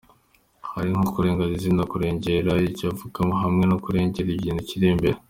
Hari nko kurengera izina, kurengera ibyo apfunyikamo hamwe no kurengera ikintu kiri imbere.